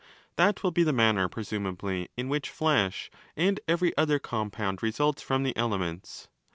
That will be the manner, presumably, in which flesh and every other compound results from the 'elements'.